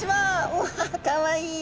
うわかわいい。